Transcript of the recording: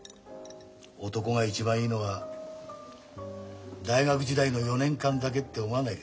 男が一番いいのは大学時代の４年間だけって思わないか。